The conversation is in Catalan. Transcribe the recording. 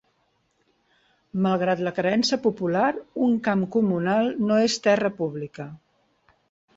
Malgrat la creença popular, un "camp comunal" no és "terra pública".